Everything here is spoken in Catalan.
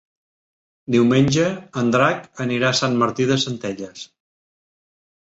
Diumenge en Drac anirà a Sant Martí de Centelles.